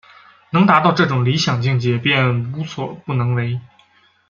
能达到这种理想境界便无所不能为。